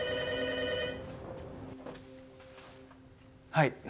はい。